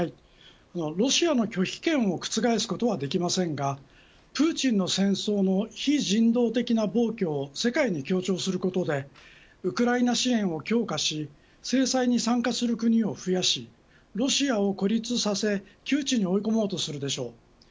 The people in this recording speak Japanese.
ロシアの拒否権を覆すことはできませんがプーチンの戦争の非人道的な暴挙を世界に強調することでウクライナ支援を強化し制裁に参加する国を増やしロシアを孤立させ窮地に追い込もうとするでしょう。